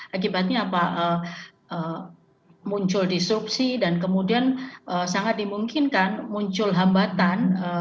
akibatnya apa muncul disrupsi dan kemudian sangat dimungkinkan muncul hambatan